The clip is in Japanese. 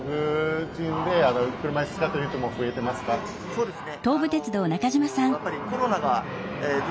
そうですね。